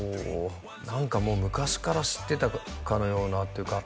何かもう昔から知ってたかのようなっていうか